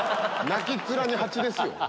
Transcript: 泣き面に蜂ですよ。